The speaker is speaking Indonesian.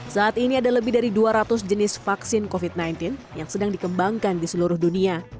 saat ini ada lebih dari dua ratus jenis vaksin covid sembilan belas yang sedang dikembangkan di seluruh dunia